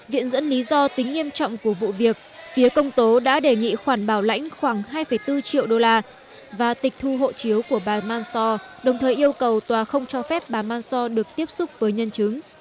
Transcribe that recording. viện dẫn lý do tính nghiêm trọng của vụ việc phía công tố đã đề nghị khoản bảo lãnh khoảng hai bốn triệu đô la và tịch thu hộ chiếu của bà mansor đồng thời yêu cầu tòa không cho phép bà mansor được tiếp xúc với nhân chứng